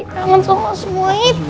kangen sama semua itu